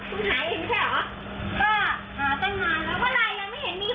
อยากถามคุณหายอิงใช่เหรอ